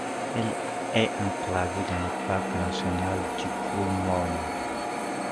Elle est enclavée dans le parc national du Gros-Morne.